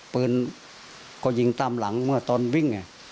ปืนก็ยิงตามหลังเมื่อตอนวิ่งไง